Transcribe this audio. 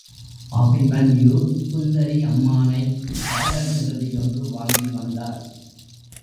அபிமன்யு சுந்தரி அம்மானைப் பாடல் பிரதியொன்று வாங்கி வந்தார்.